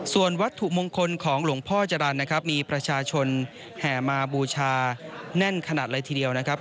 ส่วนวัตถุมงคลของหลวงพ่อจรรย์นะครับมีประชาชนแห่มาบูชาแน่นขนาดเลยทีเดียวนะครับ